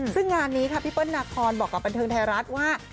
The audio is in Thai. ซึ่งงานนี้ค่ะพี่เปิ้ลนาคอนบอกกับบันเทิงไทยรัฐว่า